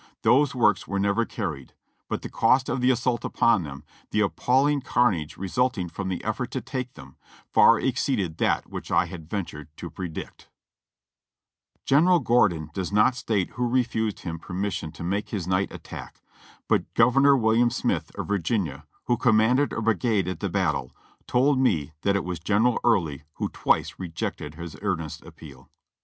Those works were never carried, but the cost of the assault upon them, the appalling carnage resulting from the effort to take them, far exceeded that which I had ventured to predict." ("Gordon's Reminiscences of the Civil War.") General Gordon does not state who refused him permission to make this night attack, but Gov. William Smith, of Virginia, who commanded a brigade at the battle, told me that it was General Early who twice rejected his earnest appeal.